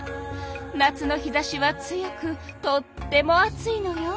夏の日ざしは強くとっても暑いのよ。